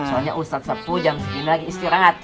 soalnya ustadzepu jam segini lagi istirahat